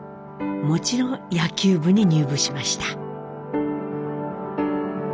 もちろん野球部に入部しました。